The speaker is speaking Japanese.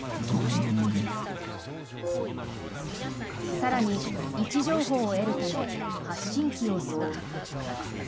更に、位置情報を得るため発信機を装着。